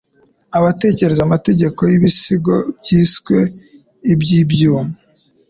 Abatekereza amateka y'ibisigo byiswe iby'ibyuma,